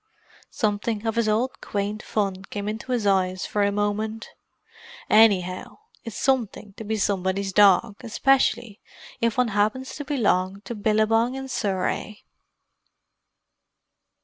Something of his old quaint fun came into his eyes for a moment. "Anyhow it's something to be somebody's dog—especially if one happens to belong to Billabong in Surrey!"